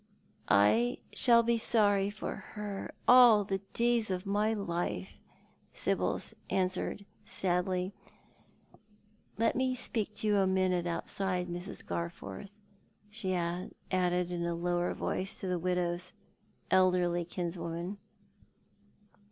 " I shall be sorry for her all the days of my life," Sibyl answered, sadly. " Let me speak to you a minute outside, Mrs. Garforth," she added, in a lower voice, to the widow's elderly kinswoman.